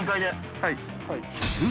はい。